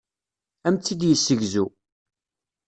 Ad am-tt-id-yessegzu.